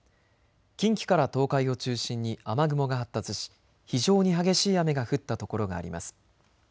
近畿から東海を中心に雨雲が発達し非常に激しい雨が降った所があります。